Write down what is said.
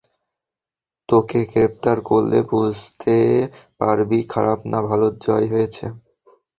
তোকে গ্রেফতার করলে বুঝতে পারবি খারাপ না ভালোর জয় হয়েছে।